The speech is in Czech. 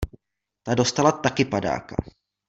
Ta dostala taky padáka.